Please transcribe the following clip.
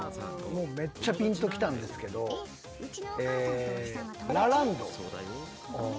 めっちゃぴんときたんですがラランド。